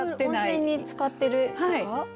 温泉につかってるとか？